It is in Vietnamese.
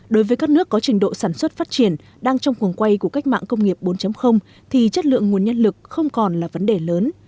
đối với các nước có trình độ sản xuất phát triển đang trong cuồng quay của cách mạng công nghiệp bốn thì chất lượng nguồn nhân lực không còn là vấn đề lớn